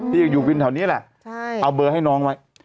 ที่อยู่วินแถวนี้แหละเอาเบอร์ให้น้องไว้